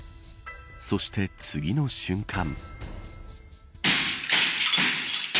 そして次の瞬間。